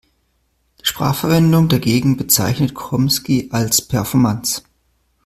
Die Sprachverwendung dagegen bezeichnet Chomsky als Performanz.